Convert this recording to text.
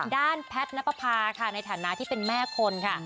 ด้านแพทย์น้ำปกพาในฐานะที่เป็นแม่คนค่ะ